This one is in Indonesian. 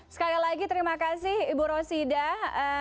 sekali lagi terima kasih ibu rosidah